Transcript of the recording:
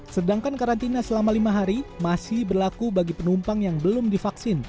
sedangkan karantina selama lima hari masih berlaku bagi penumpang yang belum divaksin